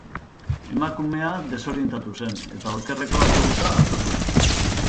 Emakumea desorientatu zen, eta okerreko autobusa hartu zuen.